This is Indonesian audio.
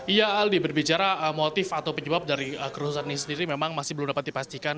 iya aldi berbicara motif atau penyebab dari kerusuhan ini sendiri memang masih belum dapat dipastikan